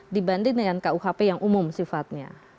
dibanding dengan kuhp yang umum sifatnya